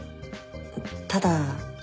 ただ。